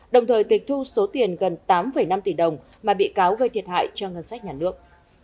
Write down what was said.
đồng thời tịch thu số tiền gần tám năm tỷ đồng mà bị cáo gây thiệt hại cho ngân sách nhà nước